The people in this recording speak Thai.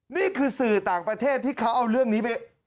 นี่คือสื่อต่างประเทศที่เขาเอาเรื่องนี้ไป